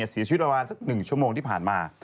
เสียชีวิตประมาณสัก๑ชั่วโมงที่ผ่านมา